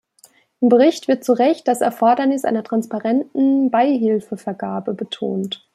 Im Bericht wird zu Recht das Erfordernis einer transparenten Beihilfevergabe betont.